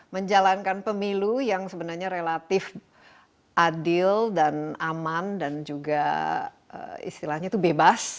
menjalankan pemilu yang sebenarnya relatif adil dan aman dan juga istilahnya itu bebas